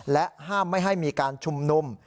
และห้ามไม่ให้มีการชุมนุม